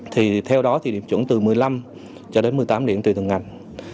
thì theo đó thì điểm chuẩn từ một mươi năm cho đến một mươi tám điểm tùy từng ngành